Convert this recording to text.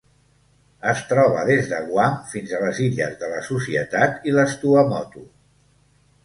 Es troba des de Guam fins a les Illes de la Societat i les Tuamotu.